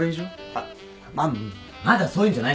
あっまっまだそういうんじゃないしやめてよ！